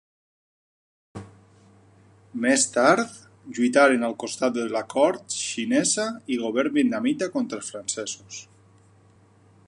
Més tard, lluitaren al costat de la cort xinesa i govern vietnamita contra els francesos.